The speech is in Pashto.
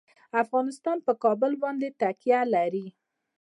افغانستان په کابل باندې تکیه لري.